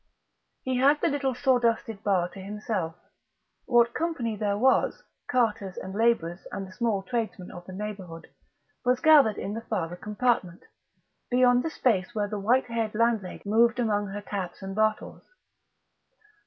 He had the little sawdusted bar to himself; what company there was carters and labourers and the small tradesmen of the neighbourhood was gathered in the farther compartment, beyond the space where the white haired landlady moved among her taps and bottles.